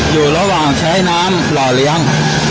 อยู่ระหว่างใช้น้ำหล่อเลี้ยง